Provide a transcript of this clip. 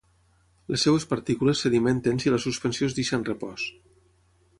Les seves partícules sedimenten si la suspensió es deixa en repòs.